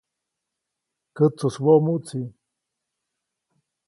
Kätsujswoʼmuʼtsi.